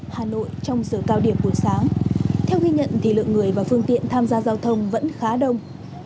hà nội trong giờ cao điểm buổi sáng theo ghi nhận thì lượng người và phương tiện tham gia giao thông vẫn khá đông